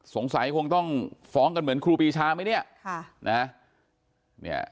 สงสัยคงต้องฟ้องกันเหมือนครูปีชาไหมเนี่ยค่ะนะฮะ